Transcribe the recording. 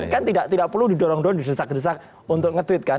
kan tidak perlu didorong dorong didesak desak untuk nge tweet kan